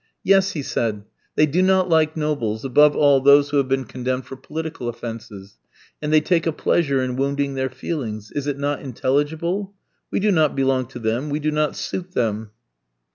"Yes," he said, "they do not like nobles, above all those who have been condemned for political offences, and they take a pleasure in wounding their feelings. Is it not intelligible? We do not belong to them, we do not suit them.